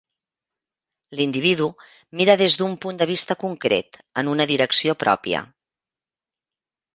L'individu mira des d'un punt de vista concret, en una direcció pròpia.